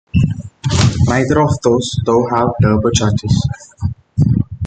Neither of those, though, have turbochargers.